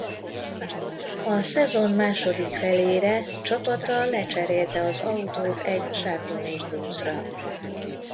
A szezon második felére csapata lecserélte az autót egy Chevrolet Cruze-ra.